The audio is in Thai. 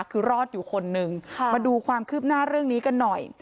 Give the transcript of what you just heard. คือรอดอยู่คนนึงมาดูความคืบหน้าเรื่องนี้กันหน่อย